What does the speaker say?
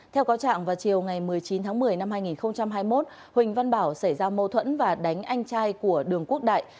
theo cáo trạng vào chiều ngày một mươi chín tháng một mươi năm hai nghìn hai mươi một huỳnh văn bảo xảy ra mâu thuẫn và đánh anh trai của đường quốc đại